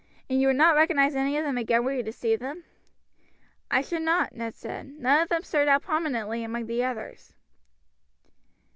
"And you would not recognize any of them again were you to see them?" "I should not," Ned replied. "None of them stood out prominently among the others."